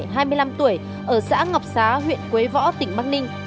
hai mươi năm tuổi ở xã ngọc xá huyện quế võ tỉnh bắc ninh